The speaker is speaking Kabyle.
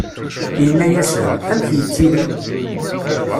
Inna-yasen: Amek yettili?